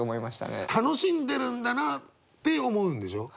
楽しんでるんだなって思うんでしょ。